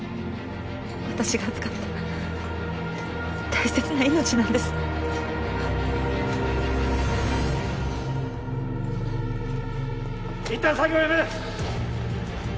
私が預かった大切な命なんですいったん作業やめ！